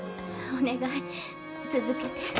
「お願い続けて」